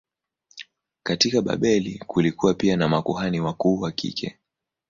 Katika Babeli kulikuwa pia na makuhani wakuu wa kike.